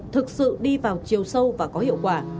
thực sự đi vào chiều sâu và có hiệu quả